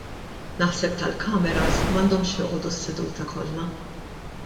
Naħseb tal-cameras m'għandhomx joqogħdu s-seduta kollha.